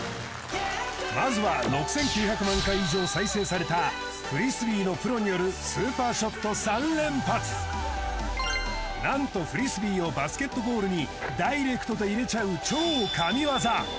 まずは６９００万回以上再生されたフリスビーのプロによるスーパーショット３連発何とフリスビーをバスケットゴールにダイレクトで入れちゃう超神業